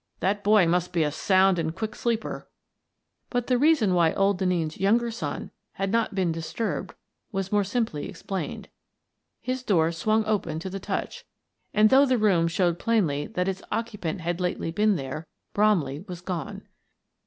That boy must be a sound and quick sleeper." But the reason why old Denneen's younger son A Mysterious Disappearance 57 had not been disturbed was more simply explained. His door swung open to the touch, and though the room showed plainly that its occupant had lately been there, Bromley was gone.